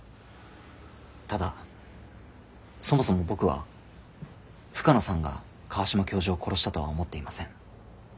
ただそもそも僕は深野さんが川島教授を殺したとは思っていません。